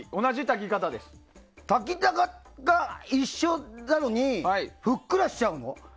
炊き方が一緒なのにふっくらしちゃうの？